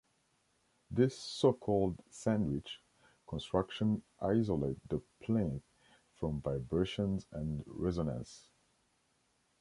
This so-called 'sandwich' construction isolate the plinth from vibrations and resonance.